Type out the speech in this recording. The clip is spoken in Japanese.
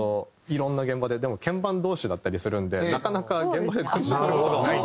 いろんな現場ででも鍵盤同士だったりするんでなかなか現場でご一緒する事がない。